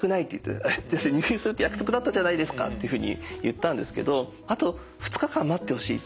「入院するって約束だったじゃないですか」っていうふうに言ったんですけど「あと２日間待ってほしい」って。